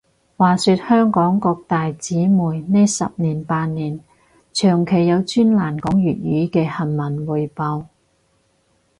話說香港各大紙媒呢十年八年，長期有專欄講粵語嘅係文匯報